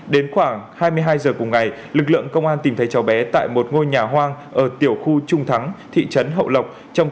đến khoảng hai mươi hai giờ cùng ngày lực lượng công an tìm thấy cháu bé tại một ngôi nhà hoang ở tiểu khu trung thắng thị trấn hậu lộc